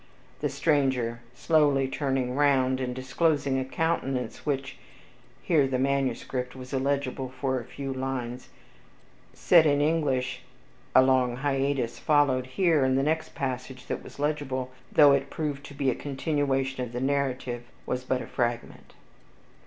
The stranger, slowly turning round, and disclosing a countenance which (Here the manuscript was illegible for a few lines), said in English (A long hiatus followed here, and the next passage that was legible, though it proved to be a continuation of the narrative, was but a fragment.)